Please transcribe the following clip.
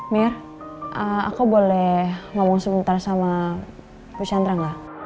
mir aku boleh ngomong sebentar sama bu chandra nggak